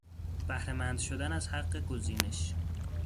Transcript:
بهرهمند شدن از حق گزینش